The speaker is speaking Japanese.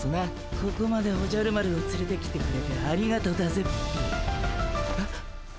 ここまでおじゃる丸をつれてきてくれてありがとだぜっピィ。え？